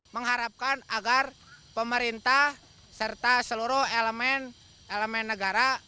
mengharapkan agar pemerintah serta seluruh elemen elemen negara